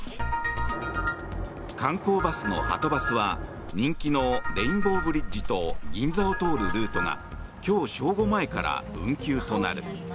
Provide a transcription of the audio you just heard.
観光バスの、はとバスは人気のレインボーブリッジと銀座を通るルートが今日正午前から運休となる。